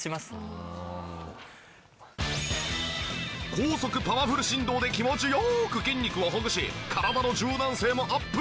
高速パワフル振動で気持ち良く筋肉をほぐし体の柔軟性もアップ！